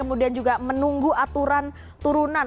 kemudian juga menunggu aturan turunan